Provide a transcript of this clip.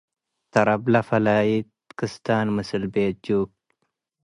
ተረብለ ፈላይት ክስታን ምስል ቤት ጁከ